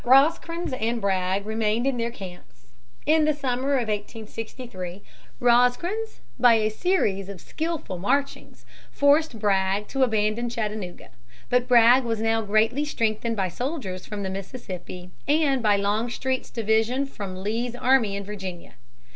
326) Rosecrans and Bragg remained in their camps. In the summer of 1863 Rosecrans, by a series of skillful marchings, forced Bragg to abandon Chattanooga. But Bragg was now greatly strengthened by soldiers from the Mississippi and by Longstreet's division from Lee's army in Virginia.